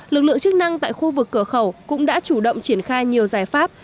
lực lượng chức năng tại khu vực cửa khẩu cũng đã chủ động triển khai nhiều giải pháp